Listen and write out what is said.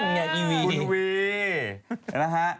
นั่นไงอีวี